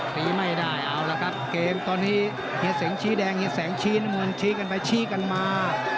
ตีไม่ได้เอาละครับเกมตอนนี้เหยียดเหยียดเหยียดแสงชี้งานรณ์สี่กันไปชี้มา